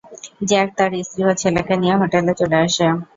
Jack তার স্ত্রী ও ছেলেকে নিয়ে হোটেলে চলে আসে।